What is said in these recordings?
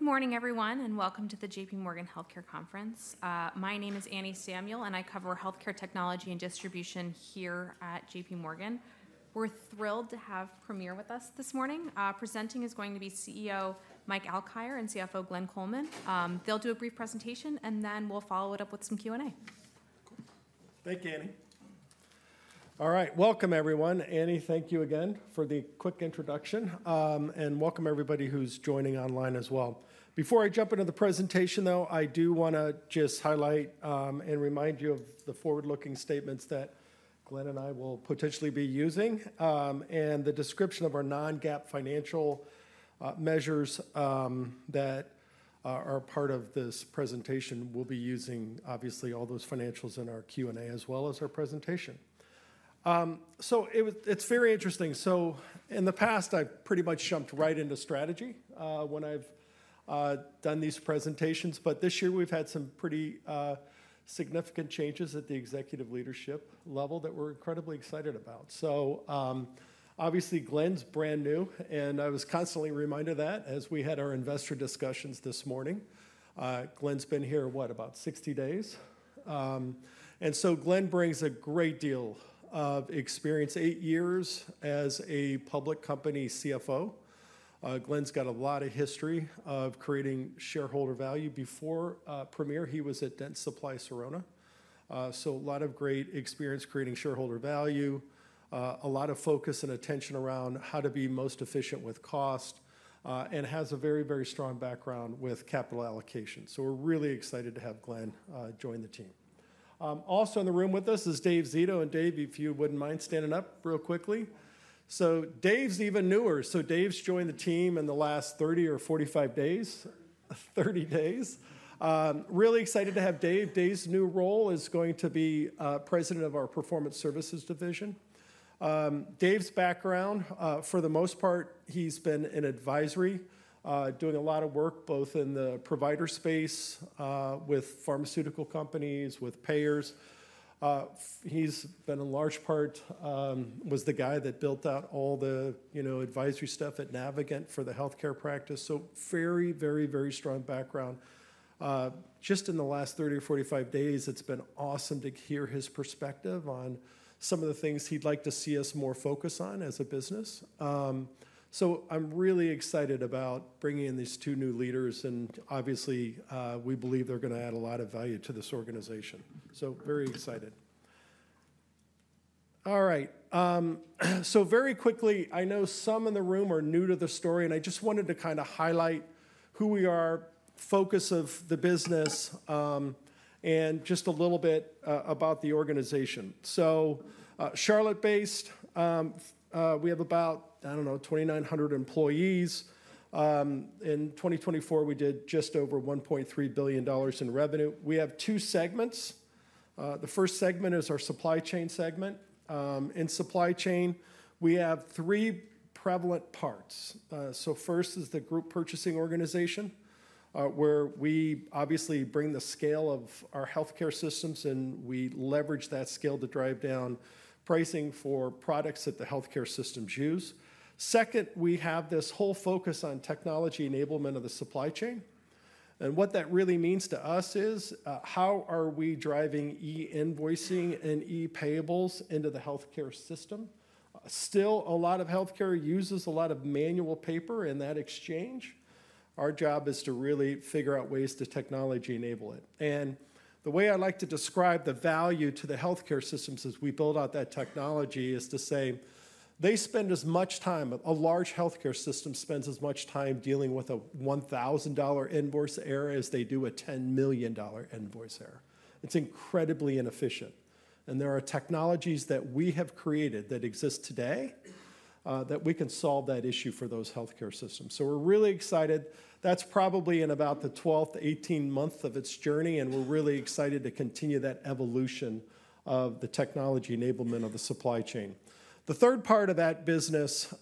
Good morning, everyone, and welcome to the J.P. Morgan Healthcare Conference. My name is Anne Samuel, and I cover healthcare technology and distribution here at J.P. Morgan. We're thrilled to have Premier with us this morning. Presenting is going to be CEO Mike Alkire and CFO Glenn Coleman. They'll do a brief presentation, and then we'll follow it up with some Q&A. Thank you, Annie. All right, welcome, everyone. Annie, thank you again for the quick introduction, and welcome everybody who's joining online as well. Before I jump into the presentation, though, I do want to just highlight and remind you of the forward-looking statements that Glenn and I will potentially be using, and the description of our non-GAAP financial measures that are part of this presentation. We'll be using, obviously, all those financials in our Q&A as well as our presentation. So it's very interesting. So in the past, I've pretty much jumped right into strategy when I've done these presentations, but this year we've had some pretty significant changes at the executive leadership level that we're incredibly excited about. So obviously, Glenn's brand new, and I was constantly reminded of that as we had our investor discussions this morning. Glenn's been here, what, about 60 days? And so Glenn brings a great deal of experience: eight years as a public company CFO. Glenn's got a lot of history of creating shareholder value. Before Premier, he was at Dentsply Sirona. So a lot of great experience creating shareholder value, a lot of focus and attention around how to be most efficient with cost, and has a very, very strong background with capital allocation. So we're really excited to have Glenn join the team. Also in the room with us is Dave Zito, and Dave, if you wouldn't mind standing up real quickly. So Dave's even newer. So Dave's joined the team in the last 30 or 45 days, 30 days. Really excited to have Dave. Dave's new role is going to be President of our Performance Services Division. Dave's background, for the most part, he's been in advisory, doing a lot of work both in the provider space with pharmaceutical companies, with payers. He's been, in large part, the guy that built out all the advisory stuff at Navigant for the healthcare practice. So very, very, very strong background. Just in the last 30 or 45 days, it's been awesome to hear his perspective on some of the things he'd like to see us more focus on as a business. So I'm really excited about bringing in these two new leaders, and obviously, we believe they're going to add a lot of value to this organization. So very excited. All right. So very quickly, I know some in the room are new to the story, and I just wanted to kind of highlight who we are, focus of the business, and just a little bit about the organization. Charlotte-based, we have about, I don't know, 2,900 employees. In 2024, we did just over $1.3 billion in revenue. We have two segments. The first segment is our supply chain segment. In supply chain, we have three prevalent parts. First is the group purchasing organization, where we obviously bring the scale of our healthcare systems, and we leverage that scale to drive down pricing for products that the healthcare systems use. Second, we have this whole focus on technology enablement of the supply chain. And what that really means to us is how are we driving e-invoicing and e-payables into the healthcare system? Still, a lot of healthcare uses a lot of manual paper in that exchange. Our job is to really figure out ways to technology enable it. And the way I like to describe the value to the healthcare systems as we build out that technology is to say they spend as much time, a large healthcare system spends as much time dealing with a $1,000 invoice error as they do a $10 million invoice error. It's incredibly inefficient. And there are technologies that we have created that exist today that we can solve that issue for those healthcare systems. So we're really excited. That's probably in about the 12th, 18th month of its journey, and we're really excited to continue that evolution of the technology enablement of the supply chain. The third part of that business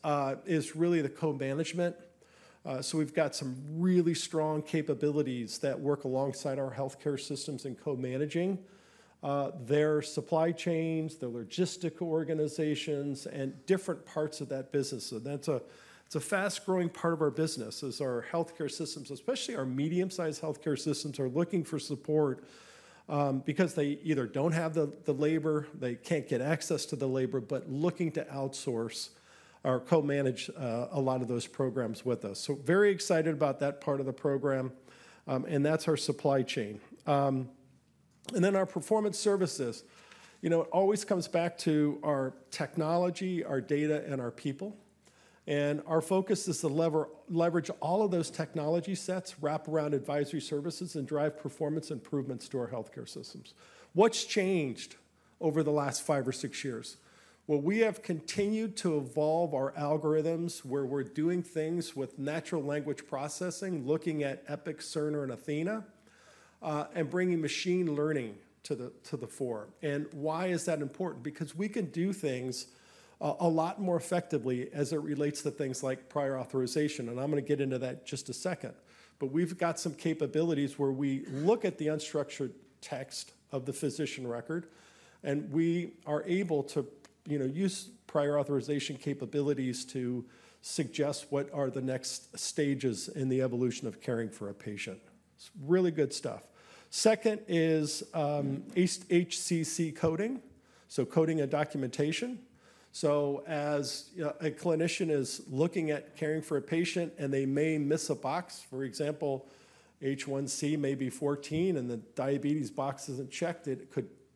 is really the co-management. So we've got some really strong capabilities that work alongside our healthcare systems in co-managing their supply chains, their logistical organizations, and different parts of that business. And that's a fast-growing part of our business: our healthcare systems, especially our medium-sized healthcare systems, are looking for support because they either don't have the labor, they can't get access to the labor, but looking to outsource or co-manage a lot of those programs with us. So very excited about that part of the program, and that's our supply chain. And then our performance services, you know, it always comes back to our technology, our data, and our people. And our focus is to leverage all of those technology sets, wrap around advisory services, and drive performance improvements to our healthcare systems. What's changed over the last five or six years? Well, we have continued to evolve our algorithms where we're doing things with natural language processing, looking at Epic, Cerner, and athenahealth, and bringing machine learning to the fore. And why is that important? Because we can do things a lot more effectively as it relates to things like prior authorization. And I'm going to get into that in just a second. But we've got some capabilities where we look at the unstructured text of the physician record, and we are able to use prior authorization capabilities to suggest what are the next stages in the evolution of caring for a patient. It's really good stuff. Second is HCC coding, so coding and documentation. So as a clinician is looking at caring for a patient and they may miss a box, for example, HbA1c may be 14, and the diabetes box isn't checked,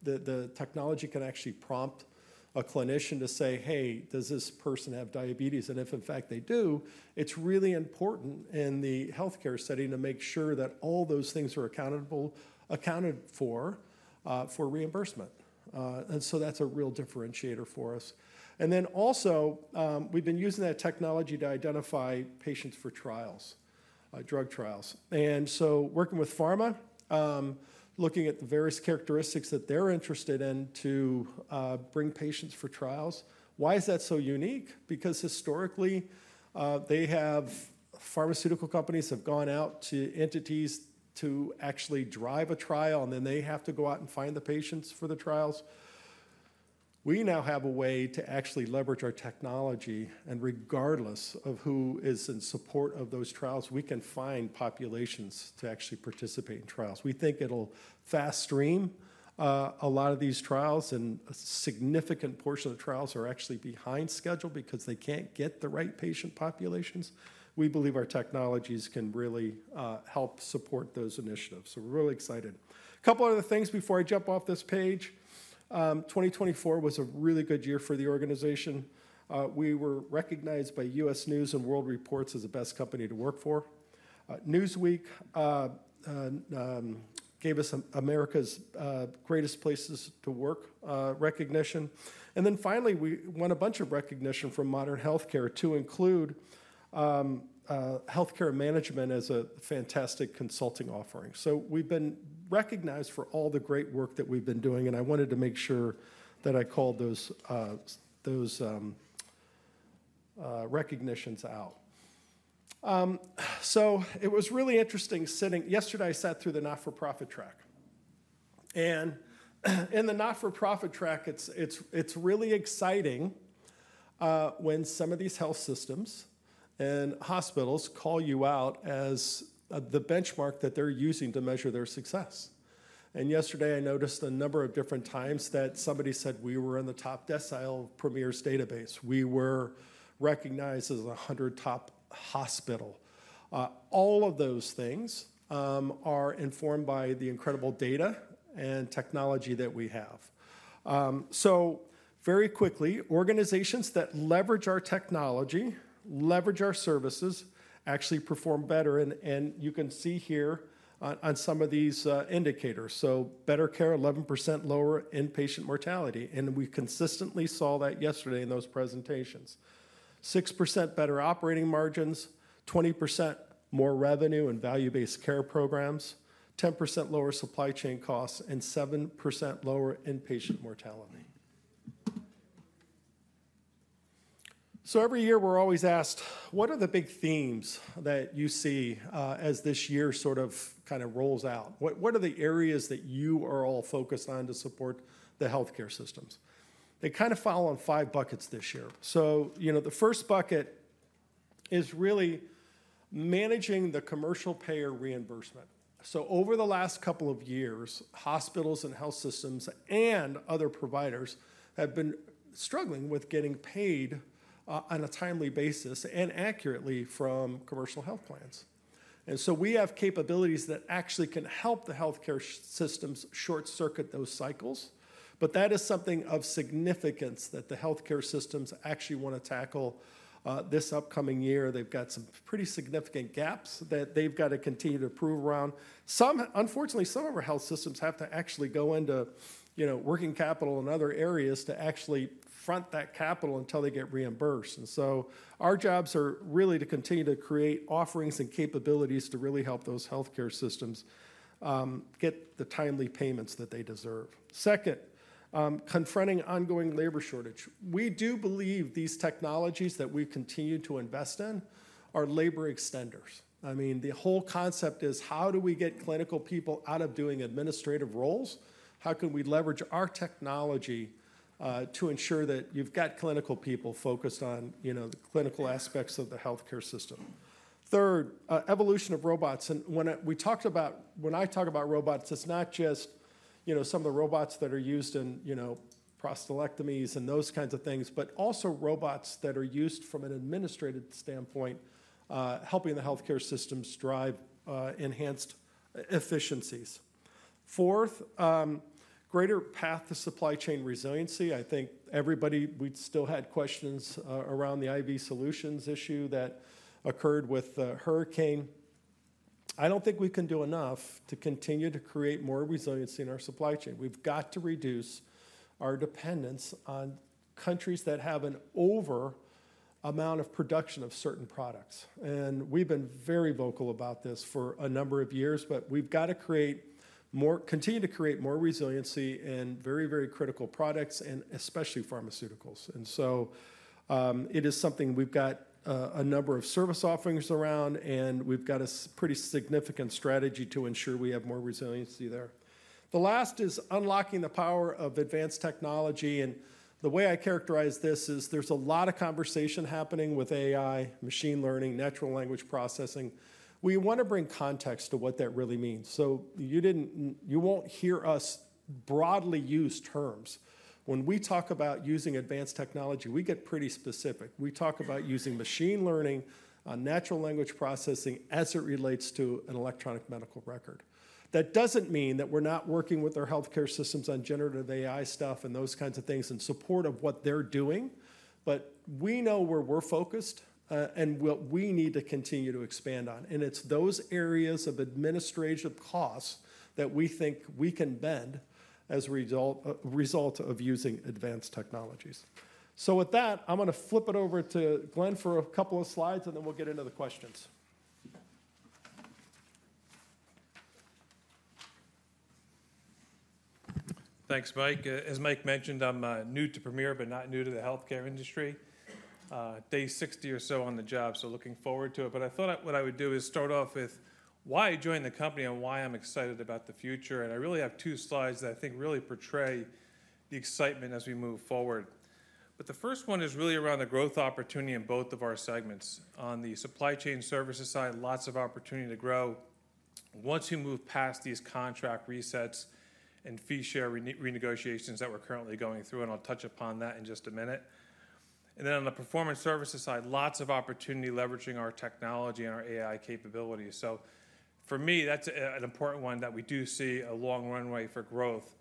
the technology can actually prompt a clinician to say, "Hey, does this person have diabetes?" And if in fact they do, it's really important in the healthcare setting to make sure that all those things are accounted for for reimbursement. That's a real differentiator for us. Then also, we've been using that technology to identify patients for trials, drug trials. Working with pharma, looking at the various characteristics that they're interested in to bring patients for trials. Why is that so unique? Because historically, pharmaceutical companies have gone out to entities to actually drive a trial, and then they have to go out and find the patients for the trials. We now have a way to actually leverage our technology, and regardless of who is in support of those trials, we can find populations to actually participate in trials. We think it'll fast-track a lot of these trials, and a significant portion of the trials are actually behind schedule because they can't get the right patient populations. We believe our technologies can really help support those initiatives. We're really excited. A couple other things before I jump off this page. 2024 was a really good year for the organization. We were recognized by U.S. News & World Report as the best company to work for. Newsweek gave us America's Greatest Places to Work recognition. And then finally, we won a bunch of recognition from Modern Healthcare to include healthcare management as a fantastic consulting offering. So we've been recognized for all the great work that we've been doing, and I wanted to make sure that I called those recognitions out. So it was really interesting sitting yesterday, I sat through the not-for-profit track. And in the not-for-profit track, it's really exciting when some of these health systems and hospitals call you out as the benchmark that they're using to measure their success. Yesterday, I noticed a number of different times that somebody said we were in the top decile of Premier's database. We were recognized as a hundred top hospital. All of those things are informed by the incredible data and technology that we have. Organizations that leverage our technology, leverage our services, actually perform better. You can see here on some of these indicators. Better care, 11% lower inpatient mortality. We consistently saw that yesterday in those presentations. 6% better operating margins, 20% more revenue in value-based care programs, 10% lower supply chain costs, and 7% lower inpatient mortality. Every year, we're always asked, what are the big themes that you see as this year sort of kind of rolls out? What are the areas that you are all focused on to support the healthcare systems? They kind of fall into five buckets this year. So the first bucket is really managing the commercial payer reimbursement. So over the last couple of years, hospitals and health systems and other providers have been struggling with getting paid on a timely basis and accurately from commercial health plans. And so we have capabilities that actually can help the healthcare systems short-circuit those cycles. But that is something of significance that the healthcare systems actually want to tackle this upcoming year. They've got some pretty significant gaps that they've got to continue to prove around. Unfortunately, some of our health systems have to actually go into working capital and other areas to actually front that capital until they get reimbursed. And so our jobs are really to continue to create offerings and capabilities to really help those healthcare systems get the timely payments that they deserve. Second, confronting ongoing labor shortage. We do believe these technologies that we continue to invest in are labor extenders. I mean, the whole concept is how do we get clinical people out of doing administrative roles? How can we leverage our technology to ensure that you've got clinical people focused on the clinical aspects of the healthcare system? Third, evolution of robots. And when I talk about robots, it's not just some of the robots that are used in prostatectomies and those kinds of things, but also robots that are used from an administrative standpoint, helping the healthcare systems drive enhanced efficiencies. Fourth, greater path to supply chain resiliency. I think everybody, we still had questions around the IV solutions issue that occurred with the hurricane. I don't think we can do enough to continue to create more resiliency in our supply chain. We've got to reduce our dependence on countries that have an over amount of production of certain products. And we've been very vocal about this for a number of years, but we've got to continue to create more resiliency in very, very critical products, and especially pharmaceuticals. And so it is something we've got a number of service offerings around, and we've got a pretty significant strategy to ensure we have more resiliency there. The last is unlocking the power of advanced technology. And the way I characterize this is there's a lot of conversation happening with AI, machine learning, natural language processing. We want to bring context to what that really means. So you won't hear us broadly use terms. When we talk about using advanced technology, we get pretty specific. We talk about using machine learning, natural language processing as it relates to an electronic medical record. That doesn't mean that we're not working with our healthcare systems on generative AI stuff and those kinds of things in support of what they're doing. But we know where we're focused and what we need to continue to expand on. And it's those areas of administrative costs that we think we can bend as a result of using advanced technologies. So with that, I'm going to flip it over to Glenn for a couple of slides, and then we'll get into the questions. Thanks, Mike. As Mike mentioned, I'm new to Premier, but not new to the healthcare industry. Day 60 or so on the job, so looking forward to it, but I thought what I would do is start off with why I joined the company and why I'm excited about the future. I really have two slides that I think really portray the excitement as we move forward. The first one is really around the growth opportunity in both of our segments. On the supply chain services side, lots of opportunity to grow. Once you move past these contract resets and fee share renegotiations that we're currently going through, and I'll touch upon that in just a minute. Then on the performance services side, lots of opportunity leveraging our technology and our AI capabilities. So for me, that's an important one that we do see a long runway for growth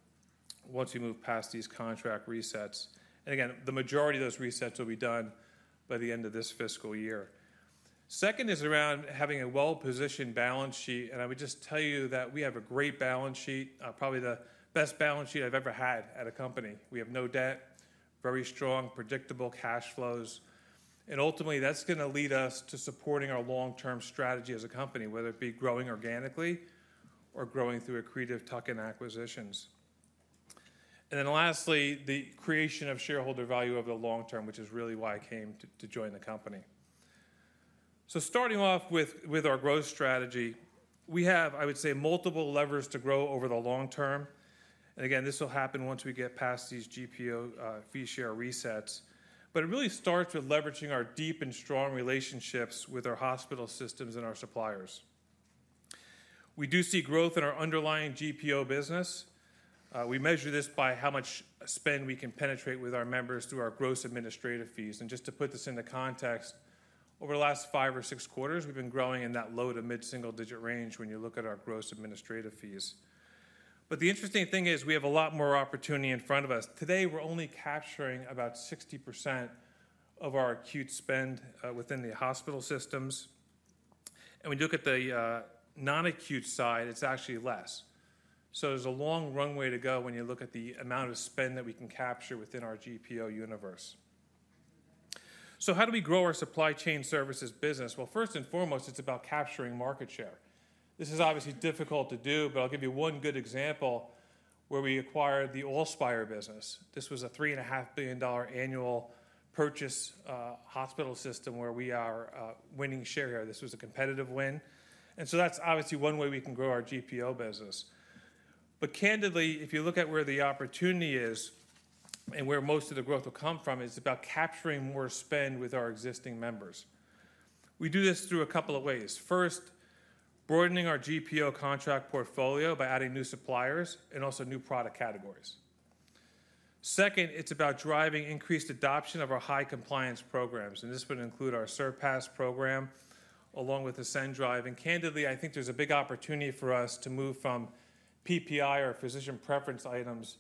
once we move past these contract resets. And again, the majority of those resets will be done by the end of this fiscal year. Second is around having a well-positioned balance sheet. And I would just tell you that we have a great balance sheet, probably the best balance sheet I've ever had at a company. We have no debt, very strong, predictable cash flows. And ultimately, that's going to lead us to supporting our long-term strategy as a company, whether it be growing organically or growing through accretive tuck and acquisitions. And then lastly, the creation of shareholder value over the long term, which is really why I came to join the company. So starting off with our growth strategy, we have, I would say, multiple levers to grow over the long term. And again, this will happen once we get past these GPO fee share resets. But it really starts with leveraging our deep and strong relationships with our hospital systems and our suppliers. We do see growth in our underlying GPO business. We measure this by how much spend we can penetrate with our members through our gross administrative fees. And just to put this into context, over the last five or six quarters, we've been growing in that low to mid-single digit range when you look at our gross administrative fees. But the interesting thing is we have a lot more opportunity in front of us. Today, we're only capturing about 60% of our acute spend within the hospital systems. And when you look at the non-acute side, it's actually less. So there's a long runway to go when you look at the amount of spend that we can capture within our GPO universe. So how do we grow our supply chain services business? Well, first and foremost, it's about capturing market share. This is obviously difficult to do, but I'll give you one good example where we acquired the Allspire business. This was a $3.5 billion annual purchase hospital system where we are winning share here. This was a competitive win. And so that's obviously one way we can grow our GPO business. But candidly, if you look at where the opportunity is and where most of the growth will come from, it's about capturing more spend with our existing members. We do this through a couple of ways. First, broadening our GPO contract portfolio by adding new suppliers and also new product categories. Second, it's about driving increased adoption of our high compliance programs. And this would include our SURPASS program along with ASCEND. And candidly, I think there's a big opportunity for us to move from PPI or physician preference items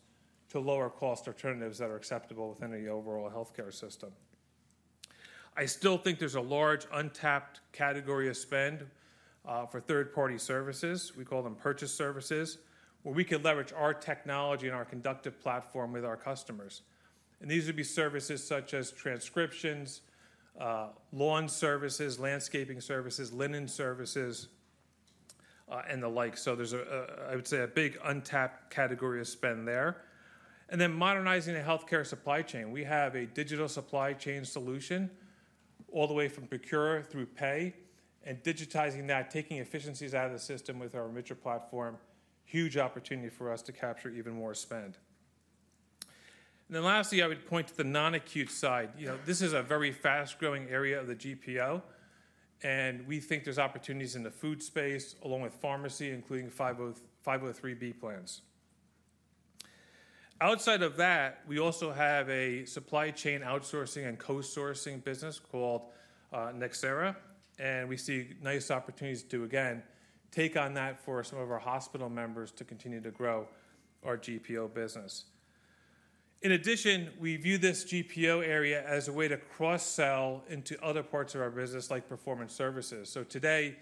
to lower cost alternatives that are acceptable within the overall healthcare system. I still think there's a large untapped category of spend for third-party services. We call them purchased services, where we can leverage our technology and our Conductiv platform with our customers. And these would be services such as transcriptions, lawn services, landscaping services, linen services, and the like. So there's, I would say, a big untapped category of spend there. And then modernizing the healthcare supply chain. We have a digital supply chain solution all the way from procure through pay and digitizing that, taking efficiencies out of the system with our Remitra platform, huge opportunity for us to capture even more spend. And then lastly, I would point to the non-acute side. This is a very fast-growing area of the GPO. And we think there's opportunities in the food space along with pharmacy, including 503B plants. Outside of that, we also have a supply chain outsourcing and co-sourcing business called Nexera. And we see nice opportunities to, again, take on that for some of our hospital members to continue to grow our GPO business. In addition, we view this GPO area as a way to cross-sell into other parts of our business, like performance services. So today,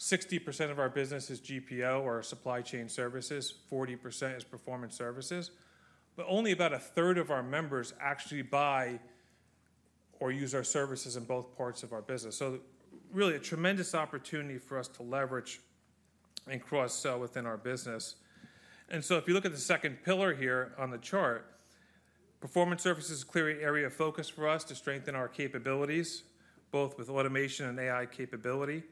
60% of our business is GPO or supply chain services, 40% is performance services. But only about a third of our members actually buy or use our services in both parts of our business. So really a tremendous opportunity for us to leverage and cross-sell within our business. And so if you look at the second pillar here on the chart, Performance Services is a clear area of focus for us to strengthen our capabilities, both with automation and AI capability.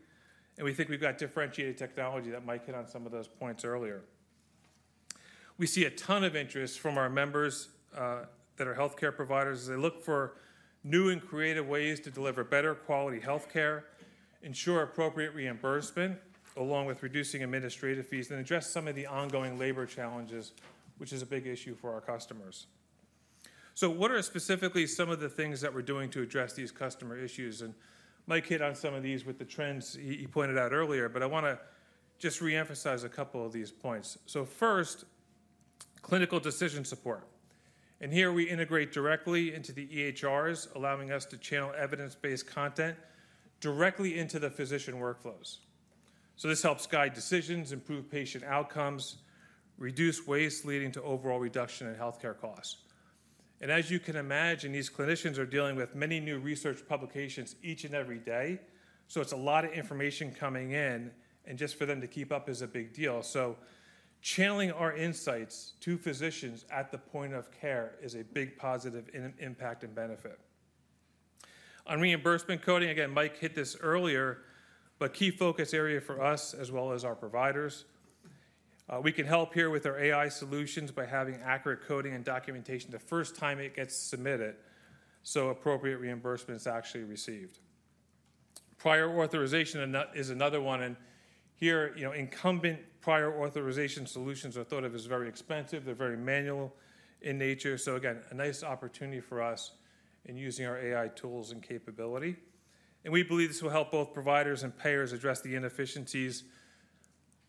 And we think we've got differentiated technology that might hit on some of those points earlier. We see a ton of interest from our members that are healthcare providers as they look for new and creative ways to deliver better quality healthcare, ensure appropriate reimbursement along with reducing administrative fees, and address some of the ongoing labor challenges, which is a big issue for our customers. So what are specifically some of the things that we're doing to address these customer issues? And Mike hit on some of these with the trends he pointed out earlier, but I want to just reemphasize a couple of these points. So first, clinical decision support. And here we integrate directly into the EHRs, allowing us to channel evidence-based content directly into the physician workflows. So this helps guide decisions, improve patient outcomes, reduce waste leading to overall reduction in healthcare costs. And as you can imagine, these clinicians are dealing with many new research publications each and every day. So it's a lot of information coming in, and just for them to keep up is a big deal. So channeling our insights to physicians at the point of care is a big positive impact and benefit. On reimbursement coding, again, Mike hit this earlier, but key focus area for us as well as our providers. We can help here with our AI solutions by having accurate coding and documentation the first time it gets submitted, so appropriate reimbursements actually received. Prior authorization is another one. And here, incumbent prior authorization solutions are thought of as very expensive. They're very manual in nature. So again, a nice opportunity for us in using our AI tools and capability. And we believe this will help both providers and payers address the inefficiencies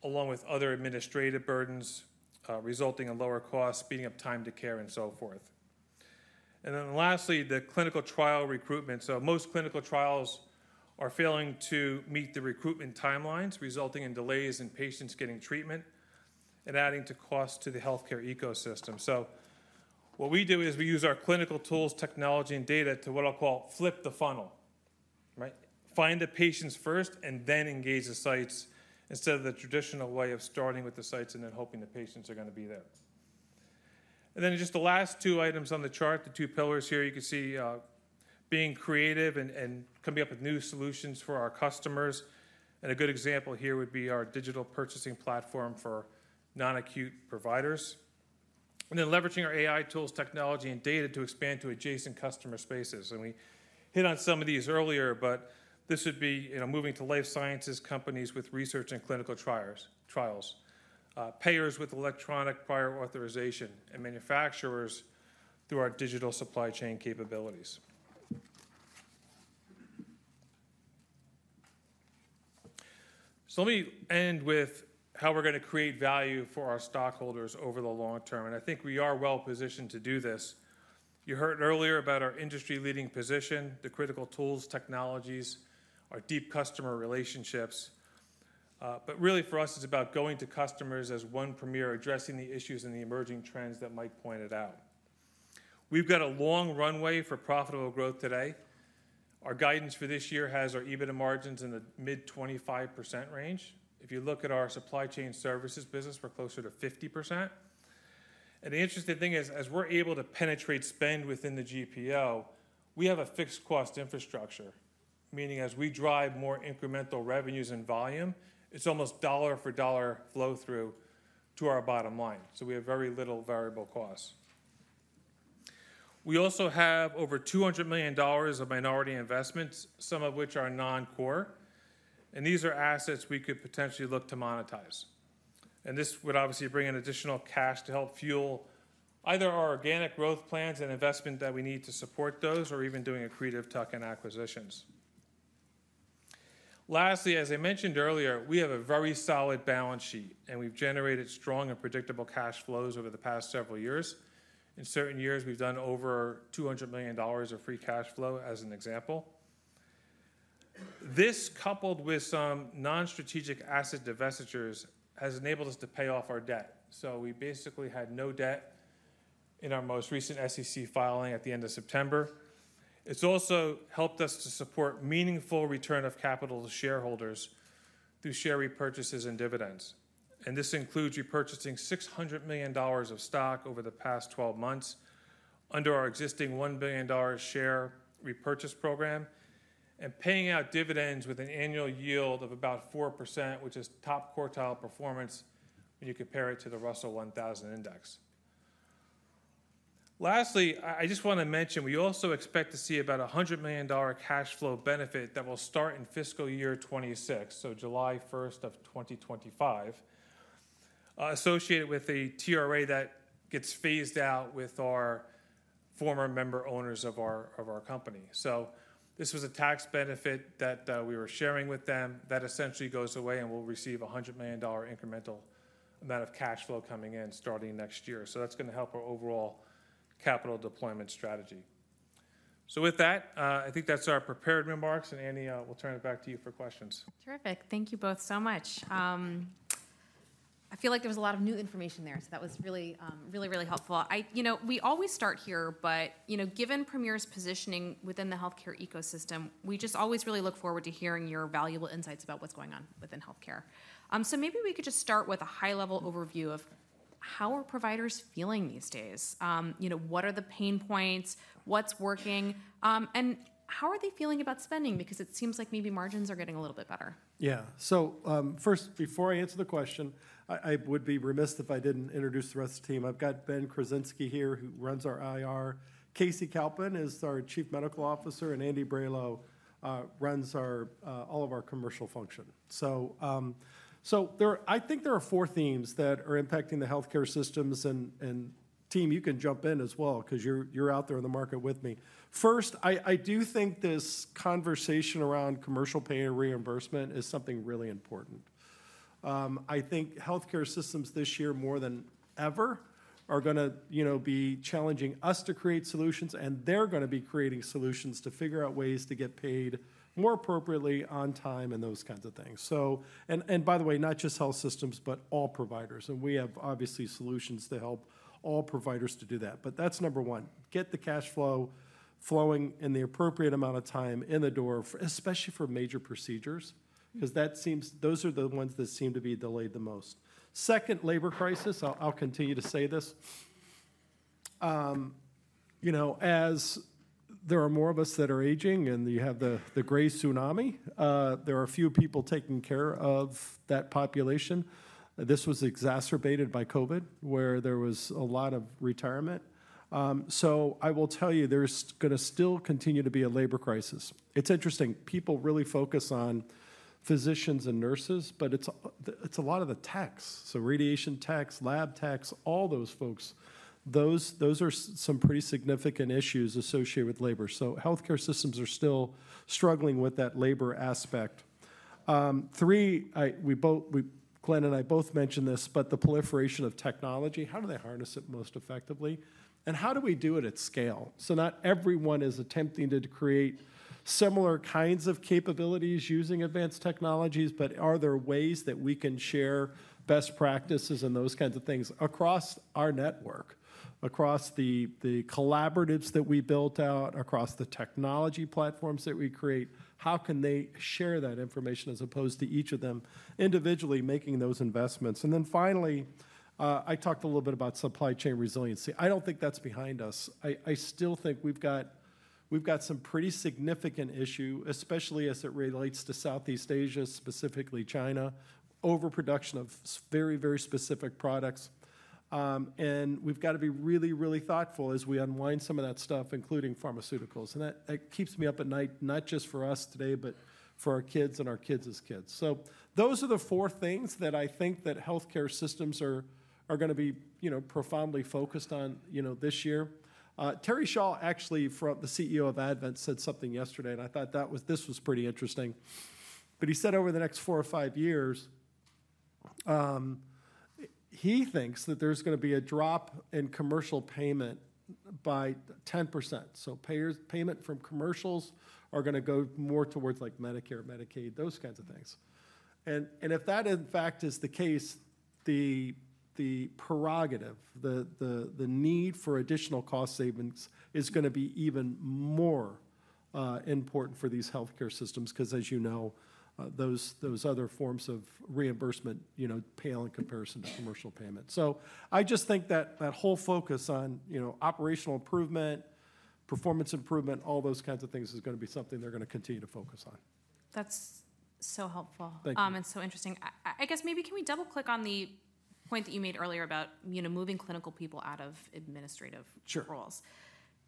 along with other administrative burdens, resulting in lower costs, speeding up time to care, and so forth. And then lastly, the clinical trial recruitment. So most clinical trials are failing to meet the recruitment timelines, resulting in delays in patients getting treatment and adding to costs to the healthcare ecosystem. So what we do is we use our clinical tools, technology, and data to what I'll call flip the funnel, right? Find the patients first and then engage the sites instead of the traditional way of starting with the sites and then hoping the patients are going to be there. And then just the last two items on the chart, the two pillars here, you can see being creative and coming up with new solutions for our customers. And a good example here would be our digital purchasing platform for non-acute providers. And then leveraging our AI tools, technology, and data to expand to adjacent customer spaces. And we hit on some of these earlier, but this would be moving to life sciences companies with research and clinical trials, payers with electronic prior authorization, and manufacturers through our digital supply chain capabilities. So let me end with how we're going to create value for our stockholders over the long term. And I think we are well positioned to do this. You heard earlier about our industry-leading position, the critical tools, technologies, our deep customer relationships. But really, for us, it's about going to customers as one Premier, addressing the issues and the emerging trends that Mike pointed out. We've got a long runway for profitable growth today. Our guidance for this year has our EBITDA margins in the mid-25% range. If you look at our supply chain services business, we're closer to 50%. And the interesting thing is, as we're able to penetrate spend within the GPO, we have a fixed cost infrastructure, meaning as we drive more incremental revenues and volume, it's almost dollar-for-dollar flow-through to our bottom line. So we have very little variable costs. We also have over $200 million of minority investments, some of which are non-core. And these are assets we could potentially look to monetize. And this would obviously bring in additional cash to help fuel either our organic growth plans and investment that we need to support those or even doing accretive tuck-in acquisitions. Lastly, as I mentioned earlier, we have a very solid balance sheet, and we've generated strong and predictable cash flows over the past several years. In certain years, we've done over $200 million of free cash flow as an example. This, coupled with some non-strategic asset divestitures, has enabled us to pay off our debt. So we basically had no debt in our most recent SEC filing at the end of September. It's also helped us to support meaningful return of capital to shareholders through share repurchases and dividends. And this includes repurchasing $600 million of stock over the past 12 months under our existing $1 billion share repurchase program and paying out dividends with an annual yield of about 4%, which is top quartile performance when you compare it to the Russell 1000 Index. Lastly, I just want to mention we also expect to see about a $100 million cash flow benefit that will start in fiscal year 26, so July 1st of 2025, associated with a TRA that gets phased out with our former member owners of our company. So this was a tax benefit that we were sharing with them that essentially goes away and we'll receive a $100 million incremental amount of cash flow coming in starting next year. So that's going to help our overall capital deployment strategy. So with that, I think that's our prepared remarks. And Annie, we'll turn it back to you for questions. Terrific. Thank you both so much. I feel like there was a lot of new information there, so that was really, really, really helpful. We always start here, but given Premier's positioning within the healthcare ecosystem, we just always really look forward to hearing your valuable insights about what's going on within healthcare. So maybe we could just start with a high-level overview of how are providers feeling these days? What are the pain points? What's working? And how are they feeling about spending? Because it seems like maybe margins are getting a little bit better. Yeah. So first, before I answer the question, I would be remiss if I didn't introduce the rest of the team. I've got Ben Krasinski here, who runs our IR. Kayce Kalpin is our Chief Medical Officer, and Andy Brailo runs all of our commercial function. So I think there are four themes that are impacting the healthcare systems. And team, you can jump in as well because you're out there in the market with me. First, I do think this conversation around commercial pay and reimbursement is something really important. I think healthcare systems this year, more than ever, are going to be challenging us to create solutions, and they're going to be creating solutions to figure out ways to get paid more appropriately, on time, and those kinds of things. And by the way, not just health systems, but all providers. And we have obviously solutions to help all providers to do that. But that's number one. Get the cash flow flowing in the appropriate amount of time in the door, especially for major procedures, because those are the ones that seem to be delayed the most. Second, labor crisis. I'll continue to say this. As there are more of us that are aging and you have the gray tsunami, there are a few people taking care of that population. This was exacerbated by COVID, where there was a lot of retirement. So I will tell you, there's going to still continue to be a labor crisis. It's interesting. People really focus on physicians and nurses, but it's a lot of the techs. So radiation techs, lab techs, all those folks, those are some pretty significant issues associated with labor. So healthcare systems are still struggling with that labor aspect. Three, Glenn and I both mentioned this, but the proliferation of technology. How do they harness it most effectively? And how do we do it at scale? So not everyone is attempting to create similar kinds of capabilities using advanced technologies, but are there ways that we can share best practices and those kinds of things across our network, across the collaboratives that we built out, across the technology platforms that we create? How can they share that information as opposed to each of them individually making those investments? And then finally, I talked a little bit about supply chain resiliency. I don't think that's behind us. I still think we've got some pretty significant issue, especially as it relates to Southeast Asia, specifically China, overproduction of very, very specific products. And we've got to be really, really thoughtful as we unwind some of that stuff, including pharmaceuticals. That keeps me up at night, not just for us today, but for our kids and our kids' kids. So those are the four things that I think that healthcare systems are going to be profoundly focused on this year. Terry Shaw, actually, the CEO of AdventHealth, said something yesterday, and I thought this was pretty interesting. But he said over the next four or five years, he thinks that there's going to be a drop in commercial payment by 10%. So payment from commercials are going to go more towards Medicare, Medicaid, those kinds of things. And if that, in fact, is the case, the prerogative, the need for additional cost savings is going to be even more important for these healthcare systems because, as you know, those other forms of reimbursement pale in comparison to commercial payment. So I just think that that whole focus on operational improvement, performance improvement, all those kinds of things is going to be something they're going to continue to focus on. That's so helpful. Thank you. And so interesting. I guess maybe can we double-click on the point that you made earlier about moving clinical people out of administrative roles?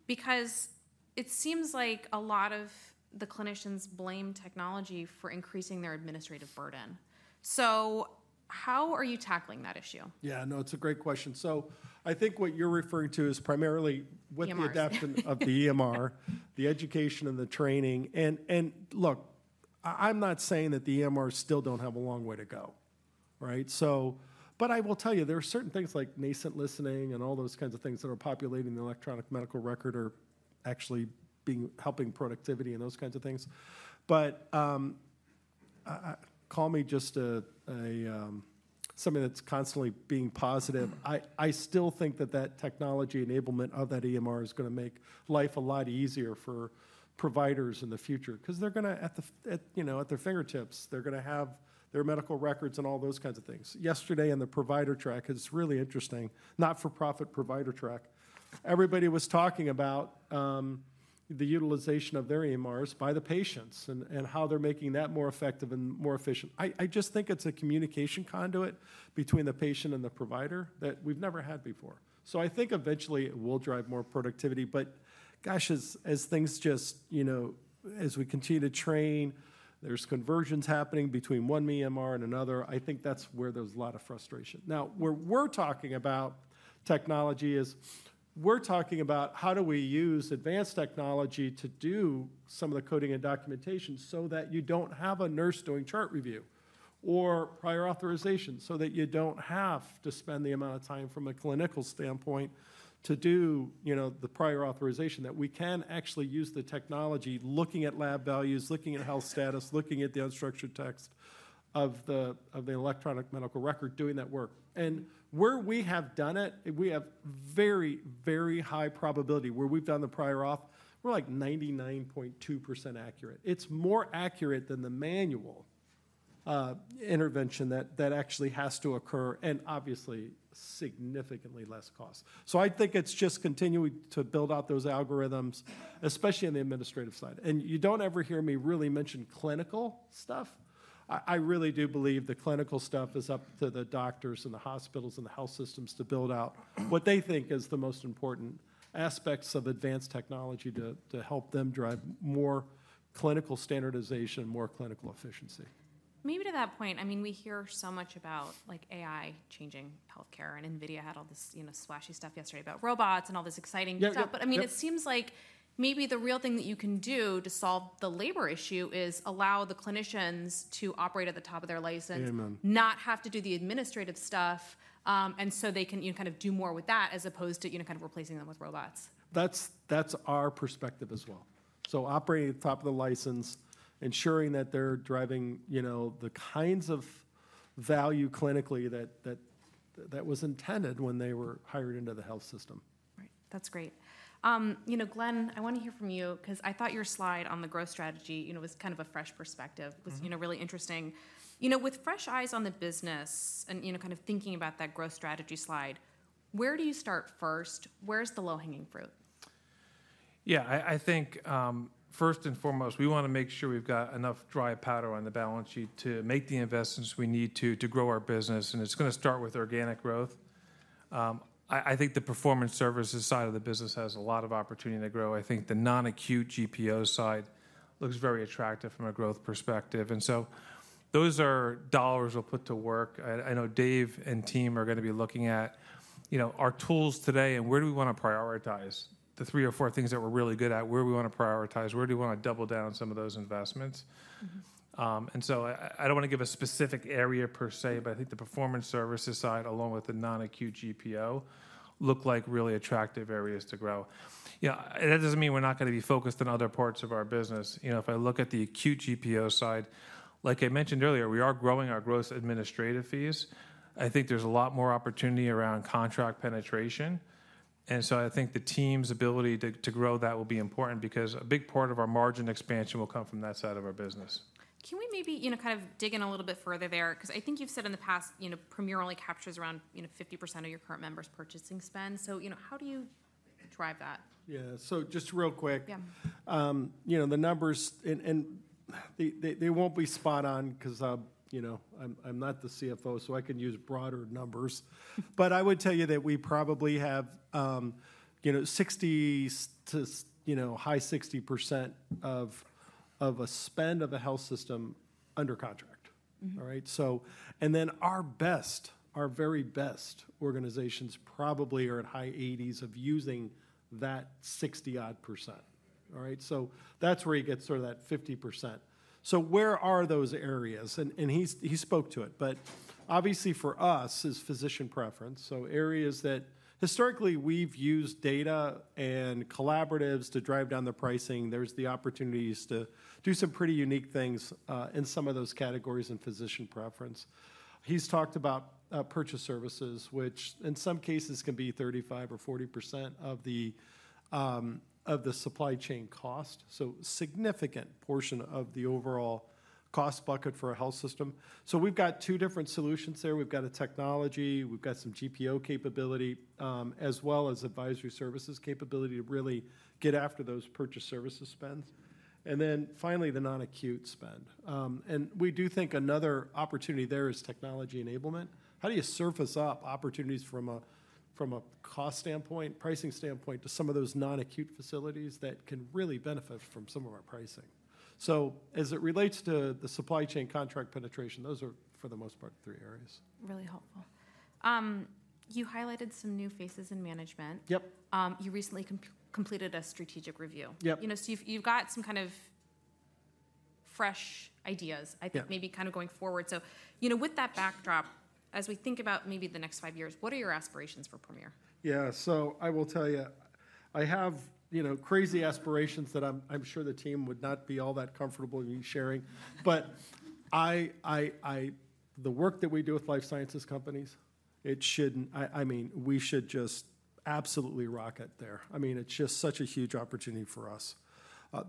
Because it seems like a lot of the clinicians blame technology for increasing their administrative burden. So how are you tackling that issue? Yeah, no, it's a great question. So I think what you're referring to is primarily with the adoption of the EMR, the education and the training. And look, I'm not saying that the EMRs still don't have a long way to go, right? But I will tell you, there are certain things like natural language processing and all those kinds of things that are populating the electronic medical record or actually helping productivity and those kinds of things. But to me, it's just something that's constantly being positive. I still think that that technology enablement of that EMR is going to make life a lot easier for providers in the future because they're going to, at their fingertips, they're going to have their medical records and all those kinds of things. Yesterday in the provider track, it was really interesting, not-for-profit provider track, everybody was talking about the utilization of their EMRs by the patients and how they're making that more effective and more efficient. I just think it's a communication conduit between the patient and the provider that we've never had before, so I think eventually it will drive more productivity. But gosh, as things just, as we continue to train, there's conversions happening between one EMR and another. I think that's where there's a lot of frustration. Now, where we're talking about technology is we're talking about how do we use advanced technology to do some of the coding and documentation so that you don't have a nurse doing chart review or prior authorization so that you don't have to spend the amount of time from a clinical standpoint to do the prior authorization that we can actually use the technology looking at lab values, looking at health status, looking at the unstructured text of the electronic medical record doing that work. And where we have done it, we have very, very high probability. Where we've done the prior auth, we're like 99.2% accurate. It's more accurate than the manual intervention that actually has to occur and obviously significantly less cost. So I think it's just continuing to build out those algorithms, especially on the administrative side. And you don't ever hear me really mention clinical stuff. I really do believe the clinical stuff is up to the doctors and the hospitals and the health systems to build out what they think is the most important aspects of advanced technology to help them drive more clinical standardization, more clinical efficiency. Maybe to that point, I mean, we hear so much about AI changing healthcare, and NVIDIA had all this splashy stuff yesterday about robots and all this exciting stuff. But I mean, it seems like maybe the real thing that you can do to solve the labor issue is allow the clinicians to operate at the top of their license, not have to do the administrative stuff, and so they can kind of do more with that as opposed to kind of replacing them with robots. That's our perspective as well. So operating at the top of the license, ensuring that they're driving the kinds of value clinically that was intended when they were hired into the health system. Right. That's great. Glenn, I want to hear from you because I thought your slide on the growth strategy was kind of a fresh perspective. It was really interesting. With fresh eyes on the business and kind of thinking about that growth strategy slide, where do you start first? Where's the low-hanging fruit? Yeah, I think first and foremost, we want to make sure we've got enough dry powder on the balance sheet to make the investments we need to grow our business. And it's going to start with organic growth. I think the performance services side of the business has a lot of opportunity to grow. I think the non-acute GPO side looks very attractive from a growth perspective. And so those are dollars we'll put to work. I know Dave and team are going to be looking at our tools today and where do we want to prioritize the three or four things that we're really good at? Where do we want to prioritize? Where do we want to double down on some of those investments? And so I don't want to give a specific area per se, but I think the performance services side, along with the non-acute GPO, look like really attractive areas to grow. That doesn't mean we're not going to be focused on other parts of our business. If I look at the acute GPO side, like I mentioned earlier, we are growing our gross administrative fees. I think there's a lot more opportunity around contract penetration. And so I think the team's ability to grow that will be important because a big part of our margin expansion will come from that side of our business. Can we maybe kind of dig in a little bit further there? Because I think you've said in the past, Premier only captures around 50% of your current members' purchasing spend. So how do you drive that? Yeah. So, just real quick, the numbers, and they won't be spot on because I'm not the CFO, so I can use broader numbers. But I would tell you that we probably have 60%-high 60% of a spend of a health system under contract. And then our best, our very best organizations probably are at high 80s% of using that 60-odd%. So that's where you get sort of that 50%. So where are those areas? And he spoke to it. But obviously, for us, it's physician preference. So areas that historically we've used data and collaboratives to drive down the pricing. There's the opportunities to do some pretty unique things in some of those categories in physician preference. He's talked about purchase services, which in some cases can be 35% or 40% of the supply chain cost, so a significant portion of the overall cost bucket for a health system. So we've got two different solutions there. We've got a technology, we've got some GPO capability, as well as advisory services capability to really get after those purchase services spends. And then finally, the non-acute spend. And we do think another opportunity there is technology enablement. How do you surface up opportunities from a cost standpoint, pricing standpoint, to some of those non-acute facilities that can really benefit from some of our pricing? So as it relates to the supply chain contract penetration, those are for the most part three areas. Really helpful. You highlighted some new faces in management. Yep. You recently completed a strategic review. Yep. So you've got some kind of fresh ideas, I think, maybe kind of going forward. So with that backdrop, as we think about maybe the next five years, what are your aspirations for Premier? Yeah. So I will tell you, I have crazy aspirations that I'm sure the team would not be all that comfortable in sharing. But the work that we do with life sciences companies, I mean, we should just absolutely rocket there. I mean, it's just such a huge opportunity for us.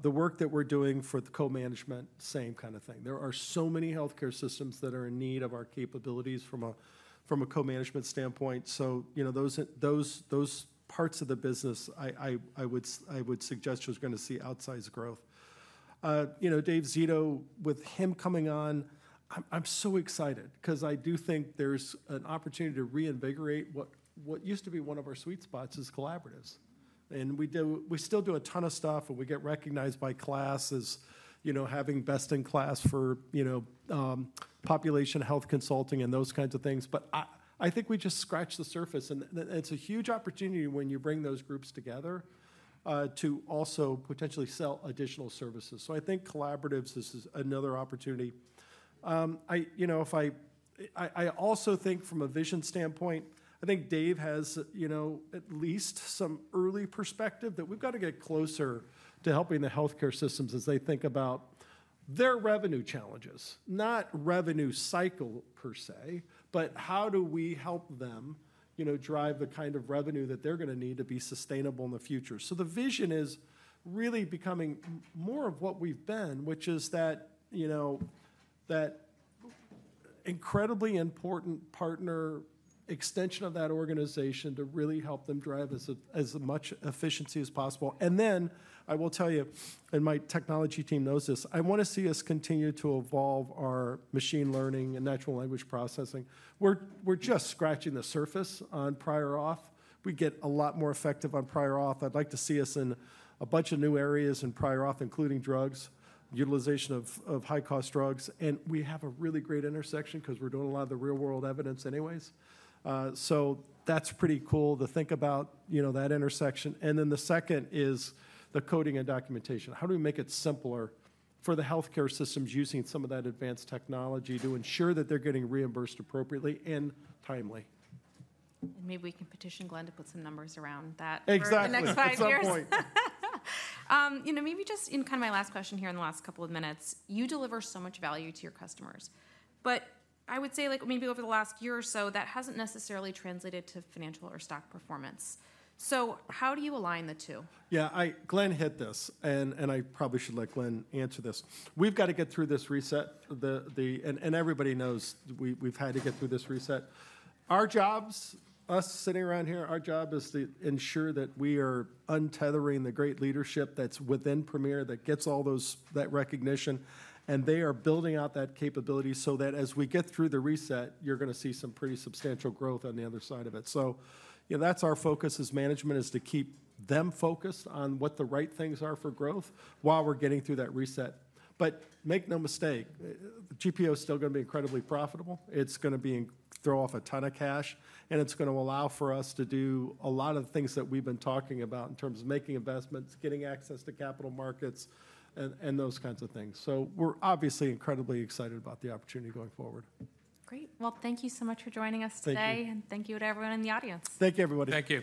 The work that we're doing for the co-management, same kind of thing. There are so many healthcare systems that are in need of our capabilities from a co-management standpoint. So those parts of the business, I would suggest you're going to see outsized growth. Dave Zito, with him coming on, I'm so excited because I do think there's an opportunity to reinvigorate what used to be one of our sweet spots as collaboratives. We still do a ton of stuff, and we get recognized by KLAS, having best in class for population health consulting and those kinds of things. I think we just scratched the surface. It's a huge opportunity when you bring those groups together to also potentially sell additional services. Collaboratives is another opportunity. I also think from a vision standpoint, I think Dave has at least some early perspective that we've got to get closer to helping the healthcare systems as they think about their revenue challenges, not revenue cycle per se, but how do we help them drive the kind of revenue that they're going to need to be sustainable in the future. So the vision is really becoming more of what we've been, which is that incredibly important partner extension of that organization to really help them drive as much efficiency as possible. And then I will tell you, and my technology team knows this, I want to see us continue to evolve our machine learning and natural language processing. We're just scratching the surface on prior auth. We get a lot more effective on prior auth. I'd like to see us in a bunch of new areas in prior auth, including drugs, utilization of high-cost drugs. And we have a really great intersection because we're doing a lot of the real-world evidence anyways. So that's pretty cool to think about that intersection. And then the second is the coding and documentation. How do we make it simpler for the healthcare systems using some of that advanced technology to ensure that they're getting reimbursed appropriately and timely? And maybe we can petition Glenn to put some numbers around that. Exactly. For the next five years. That's a good point. Maybe just in kind of my last question here in the last couple of minutes, you deliver so much value to your customers. But I would say maybe over the last year or so, that hasn't necessarily translated to financial or stock performance. So how do you align the two? Yeah, Glenn hit it I probably should let Glenn answer this. We've got to get through this reset. And everybody knows we've had to get through this reset. Our jobs, us sitting around here, our job is to ensure that we are untethering the great leadership that's within Premier that gets all that recognition. And they are building out that capability so that as we get through the reset, you're going to see some pretty substantial growth on the other side of it. So that's our focus as management is to keep them focused on what the right things are for growth while we're getting through that reset. But make no mistake, GPO is still going to be incredibly profitable. It's going to throw off a ton of cash, and it's going to allow for us to do a lot of the things that we've been talking about in terms of making investments, getting access to capital markets, and those kinds of things. So we're obviously incredibly excited about the opportunity going forward. Great. Thank you so much for joining us today. Thank you to everyone in the audience. Thank you, everybody. Thank you.